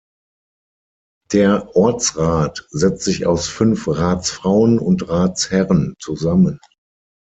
Der Ortsrat setzt sich aus fünf Ratsfrauen und Ratsherren zusammen.